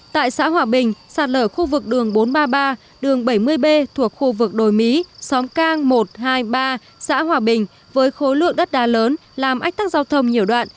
tại xã hòa bình sạt lở khu vực đường bốn trăm ba mươi ba đường bảy mươi b thuộc khu vực đồi mí xóm cang một trăm hai mươi ba xã hòa bình với khối lượng đất đá lớn làm ách tắc giao thông nhiều đoạn